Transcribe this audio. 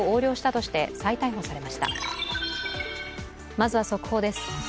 まずは速報です。